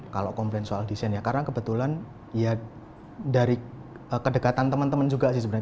kalau komplain soal desain ya karena kebetulan ya dari kedekatan teman teman juga sih sebenarnya